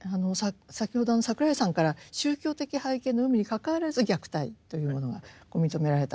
先ほど櫻井さんから宗教的背景の有無にかかわらず虐待というものが認められたと。